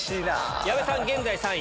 矢部さん、現在３位。